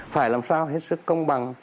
phải làm sao hết sức công bằng